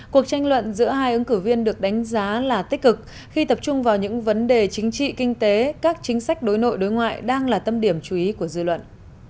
cuộc tranh luận giữa hai ứng cử viên được đánh giá là tích cực khi tập trung vào những vấn đề chính trị kinh tế các chính sách đối nội đối ngoại đang là tâm điểm chú ý của dư luận